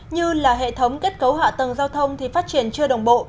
như là hệ thống kết cấu hạ tầng giao thông thì phát triển chưa đồng bộ